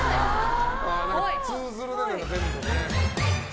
通ずるね、全部。